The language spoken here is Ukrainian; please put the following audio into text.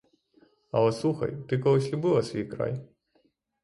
Але слухай: ти колись любила свій край.